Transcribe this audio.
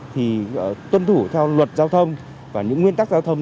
thì tuân thủ theo luật giao thông và những nguyên tắc giao thông